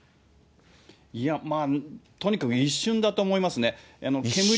いや、まあ、とにかく一瞬だと思いますね。